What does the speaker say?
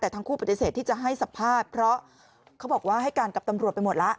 แต่ทั้งคู่ปฏิเสธที่จะให้สัมภาษณ์เพราะเขาบอกว่าให้การกับตำรวจไปหมดแล้ว